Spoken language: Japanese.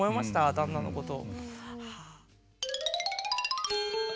旦那のこと。